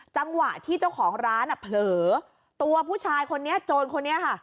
จังหวะที่เจ้าของร้านอ่ะเผลอตัวผู้ชายคนนี้โจรคนนี้ค่ะ